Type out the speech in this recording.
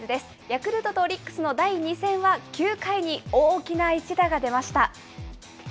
ヤクルトとオリックスの第２戦は９回に大きな一打が出ました。